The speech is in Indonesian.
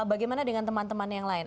bagaimana dengan teman teman yang lain